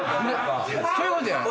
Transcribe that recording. そういうことやん。